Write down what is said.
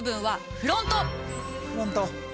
フロント。